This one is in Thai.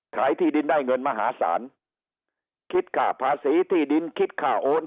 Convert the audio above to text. ที่ดินได้เงินมหาศาลคิดค่าภาษีที่ดินคิดค่าโอน